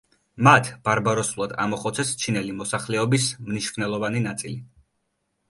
მათ ბარბაროსულად ამოხოცეს ჩინელი მოსახლეობის მნიშვნელოვანი ნაწილი.